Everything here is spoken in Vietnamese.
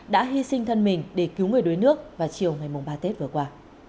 đã hy sinh thân mình để cứu người đuối nước vào chiều ngày ba tết vừa qua